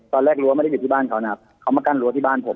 รั้วไม่ได้อยู่ที่บ้านเขานะครับเขามากั้นรั้วที่บ้านผม